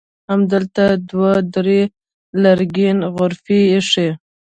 همدلته دوه درې لرګینې غرفې ایښي.